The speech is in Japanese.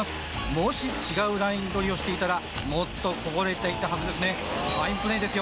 もし違うライン取りをしていたらもっとこぼれていたはずですねファインプレーですよ